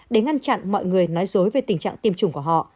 để ngăn chặn mọi người nói dối về tình trạng tiêm chủng của họ